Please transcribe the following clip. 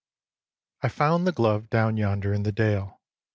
ix. I found the glove down yonder in the dale.